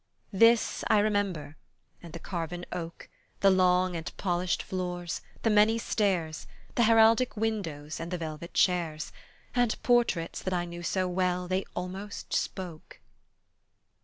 This I remember, and the carven oak, The long and polished floors, the many stairs, Th' heraldic windows, and the velvet chairs, And portraits that I knew so well, they almost spoke.